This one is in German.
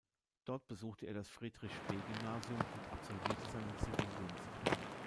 Dort besuchte er das Friedrich-Spee-Gymnasium und absolvierte seinen Zivildienst.